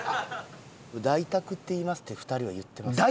「ダイタクっていいます」って２人は言ってます。